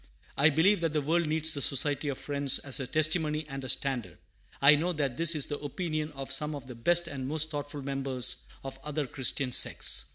I believe that the world needs the Society of Friends as a testimony and a standard. I know that this is the opinion of some of the best and most thoughtful members of other Christian sects.